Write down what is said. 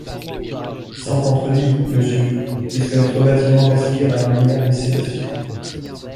Sans contredit, monsieur, puisque notre bâtiment respire à la manière des cétacés.